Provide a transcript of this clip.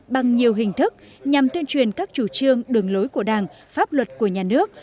bằng nhiều hình thức nhằm tuyên truyền các chủ trương đường lối của đảng pháp luật của nhà nước